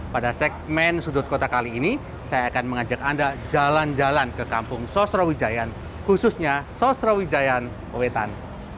pada segmen sudut kota kali ini saya akan mengajak anda jalan jalan ke kampung sosrawijayan khususnya sosrawijayan wetan